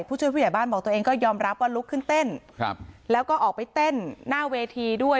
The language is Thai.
ผู้ช่วยผู้ใหญ่บ้านบอกตัวเองก็ยอมรับว่าลุกขึ้นเต้นครับแล้วก็ออกไปเต้นหน้าเวทีด้วย